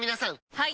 はい！